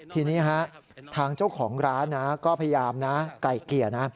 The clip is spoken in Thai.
ทีนี้ทางเจ้าของร้านนะก็พยายามนะไก่เกลี่ยนะ